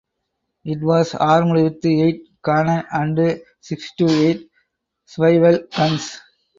It was armed with eight cannon and six to eight swivel guns.